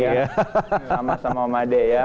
sama sama om ade ya